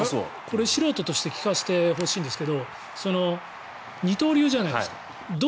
これ、素人として聞かせてほしいんですけど二刀流じゃないですか。